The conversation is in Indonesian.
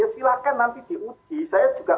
silahkan nanti diuji saya juga